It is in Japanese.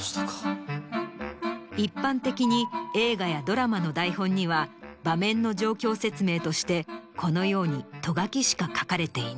一般的に映画やドラマの台本には場面の状況説明としてこのようにト書きしか書かれていない。